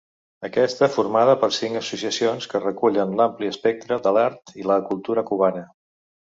Aquesta formada per cinc associacions que recullen l'ampli espectre de l'art i la cultura cubana.